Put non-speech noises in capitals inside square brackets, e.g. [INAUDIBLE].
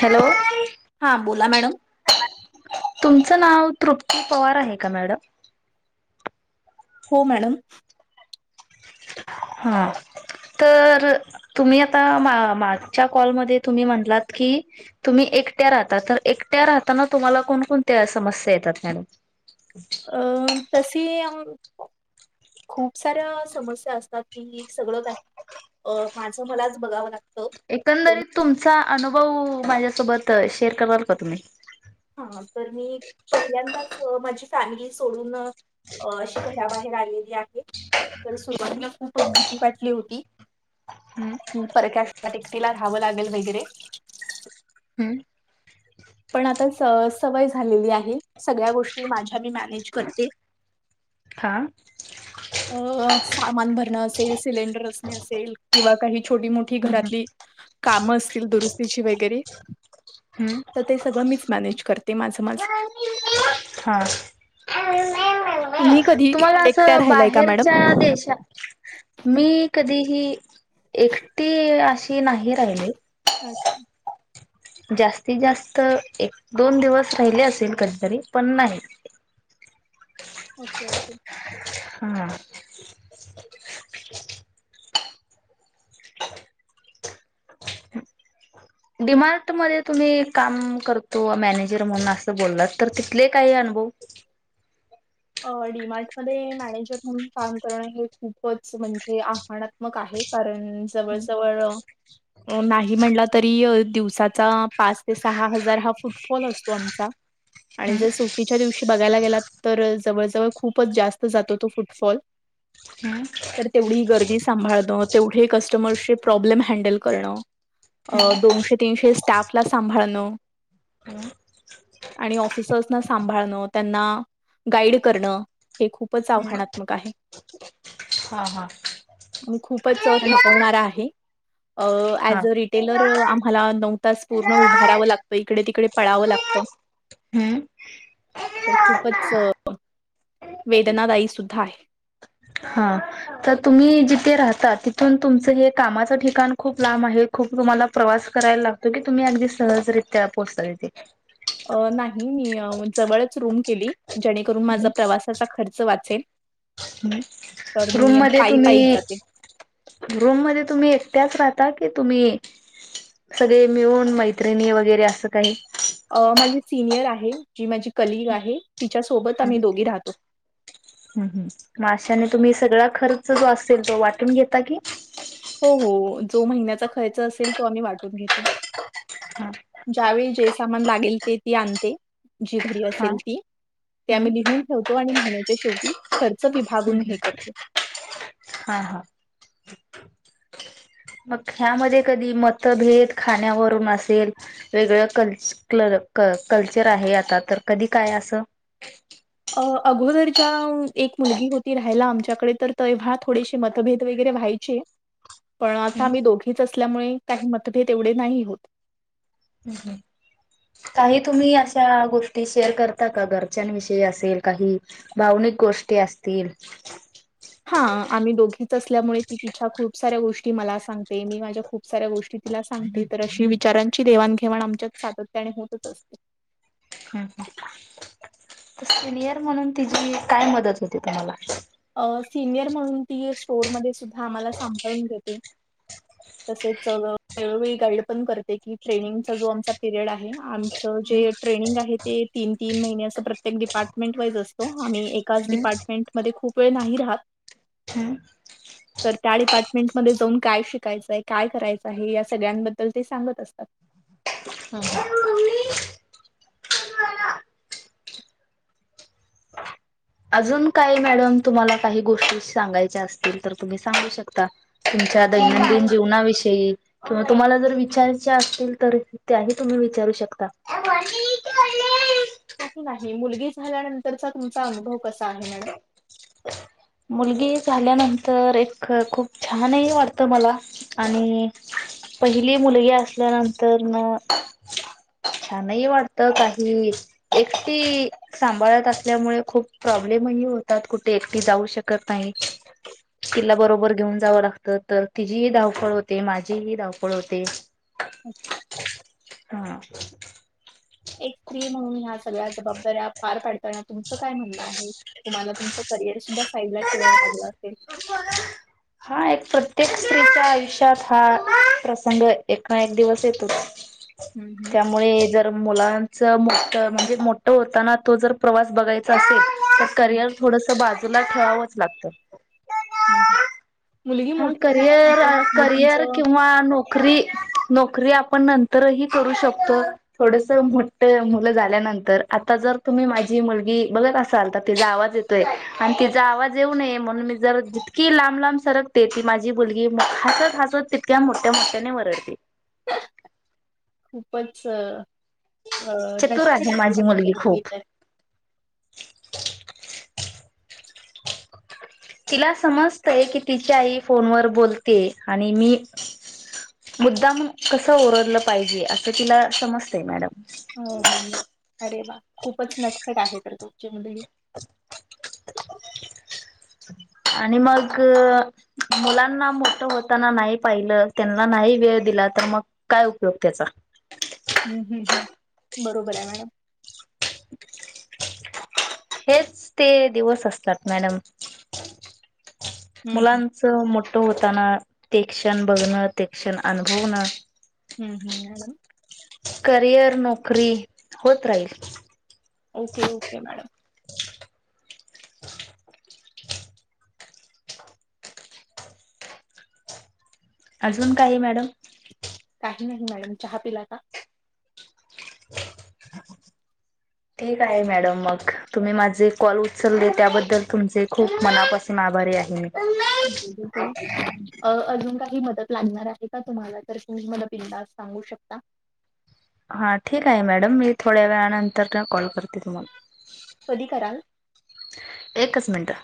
Hello. हां बोला madam. तुमचं नाव तृप्ती पवार आहे का मॅडम- हो मॅडम. हा तर तुम्ही आता मा मागच्या कॉलमध्ये तुम्ही म्हणटलात की तुम्ही एकट्या राहता तर एकट्या राहताना तुम्हाला कोणकणत्या समस्या येतात मॅडम. अं तसी. खूप साऱ्या समस्या असतात कि सगळं काही अ माझं मलाच बघावं लागतं. एकंदरीत तुमचा- अनुभव माझ्यासोबत शेअर करणार का तुम्ही. हा तर मी पहिल्यांदाच माझी फॅमिली सोडून- अ अशी घराबाहेर आलेली आहे. तर हम्म सुरुवातीला खूप भीती वाटली होती. ह् परक्या ठिका- तिला राहावं लागेल वगैरे. हम्म पण आता सवय झालेली आहे सगळ्या गोष्टी माझ्या मी मॅनेज करते हा अ सामान भरणंं सिलेंडर अस असेल किंवा काही छोटी मोठी हम्म घरातली काम असतील दुरुस् तची वगैरे हम्म तर ते सगळं मीच मॅनेज करते ते माझं माझ तुम्ही कधी तु एकट्या राहिलाय का मॅडम? बाहेरच्या देशात मी कधीही एकटी अशी नाही राहिली. अच्छा जास्तीत जास्त एक दोन दिवस राहिले असेल कधीतरी, पण नाही. ओके ओके हा डिमार्ट मध्ये तुम्ही काम करतो मॅनेजर म्हणून, असं बोललात तर तिथले काही अनुभव अ डीमार्ट मध्ये मॅनेजर म्हणून काम करणं हे खूपच म्हणजे आव्हानात्मक आहे कारण जवळ जवळ नाही म्हटला तरी दिवसाचा पाच ते सहा हजार हा फुटफॉल असतो आमचा, आणि जर हम्म सुटीच्या दिवशी बघयला गेला तर, जवळ जवळ खूपच जास्त जात होतो. फुटफॉल तर तेवढी गर्दी सांभाळण तेवढे कस्टमर्सचे प्रॉब्लेम हँडल करणं, दोनशे तीनशे स्टाफला सांभाळणं आणि ऑफिसर्सना सांभाळण त्यांना गाईड करणं हे खूपच हम्म आव्हानात्मक आहे. हा हा. मी खूपच थकवणार आहे. अ हा. ऍज अ रिटेलर आम्हाला नऊ तास पूर्ण उभारावं लागतं, इकडे तिकडे पळावं लागतं. हम्म तर खूपचअ वेदनादायी सुद्धा आहे. हा तर तुम्ही जिथे राहता तिथून तुमचं हे कामाचं ठिकाण खूप लांब आहे, खूप तुम्हाला प्रवास करायला लागतो की तुम्ही अगदी सहजरित्या पोहोचता तिथे. अ नाही नाही मी जवळच रूम केली. जेणेकरून हम्म माझा प्रवासाचा खर्च वा वाचेल तर रूम मी मध्ये तुम्ही पायी-पायीच जाते. रूम मध्ये तुम्ही एकट्याच राह की तुम्ही सगळे मिळून मैत्रिणी वगैरे असं काही. अ माझे सिनियर आहे. जी माझी कलीग आहे. तिच्यासोबत हम् आम्ही दोघी राहतो. हम् अशाने तुम्ही, सग खर्च जो असेल तो वाटून घेता की, हो हो जो महिन्याचा खर्च असेल तो आम्ही वाटून घेतो. हा जावेळी जैस सामान लागेल ते ती आणते. जी घरी हा असेल ती, ते हम्म आम्ही लिहून ठेवतो आणि महिन्याच्या शेवटी खर्च विभागून हम्म हे करतो. ह मग ह्यामध्ये कधी मतभेद खाण्यावरून असेल, वेगळं कल्ल कल्चर आहे आता तर कधी काय असं अगोदरच्या एक मुलगी होती राहायला आमच्या कडे तर तेव्हा थोडेसे मतभेद वगैरे व्हायचे. पण आता हम्म आम्ही दोघीच असतो. असल्यामुळे काही मतभेद एवढे नाही होत. काही तुम्ही अशा गोष्टी शेअर करता का घरच्यांविषयी असेल काही भावनिक गोष्टी असतील. हा दोघीच असल्यामुळे तिच्या खुपसाऱ्या गोष्टी मला सांगते मी माझ्या खूप साऱ्या गोष्टी तिला सांगते तर अशी विचारांची देवाणघेवाण आमच्यात सातत्याने होतच असते. हम हम सिनियर म्हणून तिची काय मदत होते तुम्हाला. अ.. सिनियर म्हणून ती स्टोरमध्ये सुद्धा आम्हाला सांभाळून घेते. तसेच वेळवेळी गाईड पण करते की ट्रेनिंगचा जो आमचा पिरियड आहे. जे ट्रेनिंग आहे. ते तीन तीन महिने असं प्रत्येक डिपार्टमेंट वाईज असतो. आम्ही एकाच डिपार्टमेंटमध्ये खूप. वेळ नाही राहत हम्म. तर त्या डिपार्टमेंट मध्ये जाऊन काय शिकायचंय काय करायचं आहे. या सगळ्यांबद्दल ते सांगत असतात. अजून काय मॅडम तुम्हाला काही गोष्टी सांगायच्या असतील तर तुम्ही सांगू शकता. तुमच्या म्हणून दैनंदिन जीवनाविषयी.... किंवा तुम्हाला जर विचारायचे असतील. तर त्याही तुम्ही विचारू शकता. नाही नाही मुलगी झाल्यानंतरचा तुमचा अनुभव कस आहे मॅडम मुलगी झाल्यानंतर एक खूप छानही वाटत मला आणि पहिली मुलगी असल्यानंतर न छानही वाटत काही एकटी सांभाळत असल्यामुळे खूप प्रॉब्लेमही होतात कुठे एकटी जाऊ शकत नाही. तिला बरोबर घेऊन जावं लागतं तर तिचीही धावपळ होते माझीही धावपळ होते. अच्छा. हा. एक स्त्री म्हणून ह्या सगळ्या जबाबदऱ्या पार पाडत ना तुमचं काय म्हणण आहे. तुम्हाला तुमच करिअर सुद्धा पहिला ठेवावा लागला असेल. हा एक प्रत्येक स्त्रीच्या आयुष्यात हा प्रसंग एक ना एक दिवस येतोच. हम्म हम्म त्यामुळे जर मुलां च मोठ म्हणजे मोठं होताना तो जर प्रवास बघायचा असेल. तर हम्म करिअर थोडस बाजूला खेळावंच लागतं. हम् हम्. हा करिअर करिअर तुमचं किंवा नोकरी नक नोकरी आपण नंतरही करू शकतो थोडस मोठ मुलं झाल्यानंतर आता जर तुम्ही माझी मुलगी बघत असाल तर तिचा आवाज येतोय आणि तिचा आवाज येऊ नये म्हणून मी जर जितकी लांब लांब सरक ते ती माझी मुलगी हसत हसत तितक्या मोठ्या मोठ्याने वरडते. पचच. अ चतुर नक्की [INAUDIBLE] आहे माझी तुमची मुलगी खूप इथ आहे तिला समजतय की तिच्या आई फोनवर बोलते, आणि मी मुद्दाम कसं ओरडलं पाहिजे असं तिला समजतय मॅडम. हो, हो, हो अरे वा. खूपच नटखट आहे तर तुमची मुलगी. आणि मग मुलांना मोठं होताना नाही पाहिलं त्यांना नाही वेळ दिला तर मग काय उपयोग त्याचा? हम्म हम्म हम्म बरोबर आहे मॅडम. हेच ते दिवस असतात मॅडम हम्म हम्म. मुलांचं मोठं होताना ते क्षण बघणं ते क्षण अनुभवनं हम्म हम्म मॅडम. करिअर नोकरी होत राहील. Okay okay madam. अजून काय मॅडम? काही नाही मॅडम चहा पिला का? ठीक आहे मॅडम मग तुम्ही माझे कॉल उचलले त्याबद्दल तुमचे खूप मनापासून आभारी आहे मी. [UNINTELLIGIBLE] अ अजून काही मदत लागणार आहे का तुम्हाला? तर तुम्ही मला बिंदास सांगू शकता. हां ठीक आहे मॅडम मी थोड्या वेळाानंतरन कॉल कर ते तुम्हाला कधी कराल एकच मिनिटं.